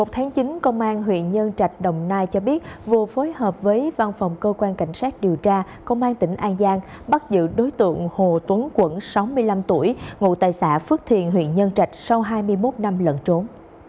một tháng chín công an huyện nhân trạch đồng nai cho biết vừa phối hợp với văn phòng cơ quan cảnh sát điều tra công an tỉnh an giang bắt giữ đối tượng hồ tuấn quẩn sáu mươi năm tuổi ngụ tại xã phước thiền huyện nhân trạch sau hai mươi một năm lận trốn